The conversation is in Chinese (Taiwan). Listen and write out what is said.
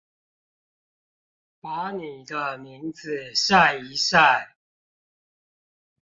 把你的名字曬一曬